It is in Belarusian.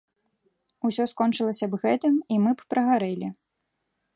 Усё скончылася б гэтым, і мы б прагарэлі.